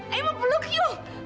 aku mau memelukmu